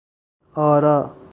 آرا